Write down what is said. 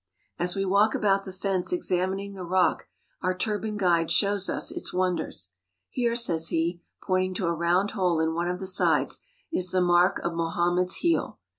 As we walk about the fence examining the rock our turbaned guide shows us its wonders. "Here," says he, pointing to a round hole in one of the sides, "is the mark of Mohammed's heel.